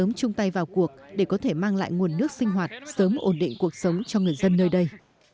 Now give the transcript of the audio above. sớm chung tay vào cuộc để có thể mang lại nguồn nước sinh hoạt sớm ổn định cuộc sống cho người dân nơi đây